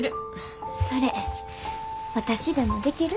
それ私でもできる？